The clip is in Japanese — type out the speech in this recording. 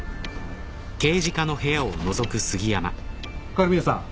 狩宮さん